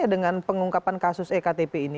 dengan pengungkapan kasus ektp ini